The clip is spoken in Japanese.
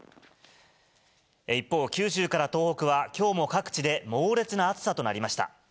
一方、九州から東北はきょうも各地で猛烈な暑さとなりました。